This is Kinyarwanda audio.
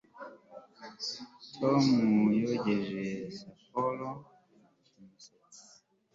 Tom yogeje shampoo mu musatsi